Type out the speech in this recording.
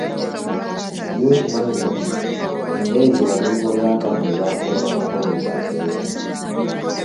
Ye okimanyi nti, engoye zewalinga oyambadde zaakutobangako buli kaseera!